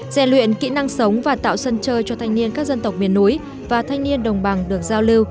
dàn luyện kỹ năng sống và tạo sân chơi cho thanh niên các dân tộc miền núi và thanh niên đồng bằng được giao lưu